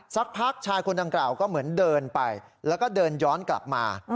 สักพักชายคนดังกล่าวก็เหมือนเดินไปแล้วก็เดินย้อนกลับมา